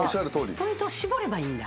ポイント絞ればいいんだ。